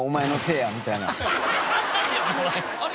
あれ？